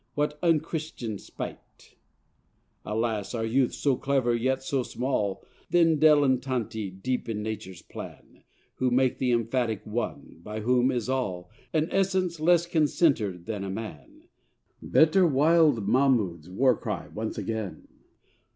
what un Christian spite! Alas, our youth, so clever yet so small, Thin dilletanti deep in nature's plan, Who make the emphatic One, by whom is all, An essence less concentred than a man! Better wild Mahmoud's war cry once again!